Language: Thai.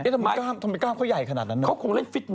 ทำไมกล้ามเขาใหญ่ขนาดนั้นเลยเหรอเธอ